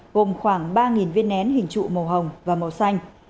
gồm khoảng ba viên nén hình trụ màu hồng và màu xanh